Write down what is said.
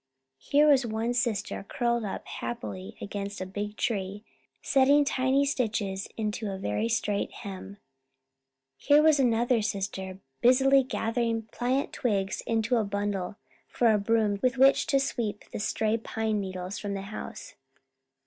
Here was one sister curled up happily against a big tree, setting tiny stitches into a very straight hem. Here was another sister busily gathering pliant twigs into a bundle for a broom with which to sweep the stray pine needles from the house.